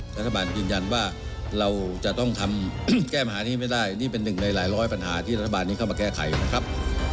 รัฐบาลยืนยันว่าเราจะต้องทำแก้ปัญหานี้ไม่ได้นี่เป็นหนึ่งในหลายร้อยปัญหาที่รัฐบาลนี้เข้ามาแก้ไขนะครับ